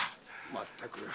まったく。